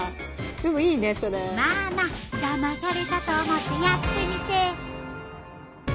でもいいねそれ。まあまあだまされたと思ってやってみて。